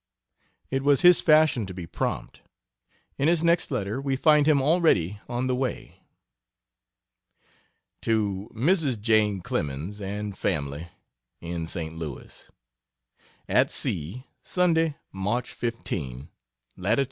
It was his fashion to be prompt; in his next letter we find him already on the way. To Mrs. Jane Clemens and family, in St. Louis: AT SEA, Sunday, March 15, Lat.